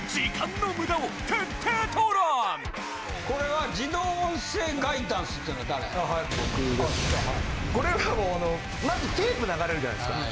これがもうまずテープ流れるじゃないですか。